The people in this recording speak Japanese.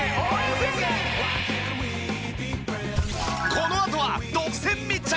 このあとは独占密着！